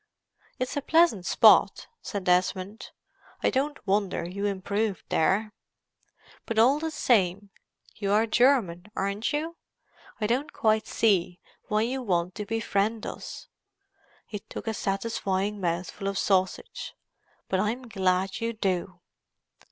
"It's a pleasant spot," said Desmond. "I don't wonder you improved there. But all the same, you are German, aren't you? I don't quite see why you want to befriend us." He took a satisfying mouthful of sausage. "But I'm glad you do."